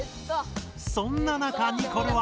そんな中ニコルは。